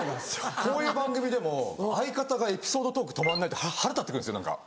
こういう番組でも相方がエピソードトーク止まんないって腹立って来るんですよ何か。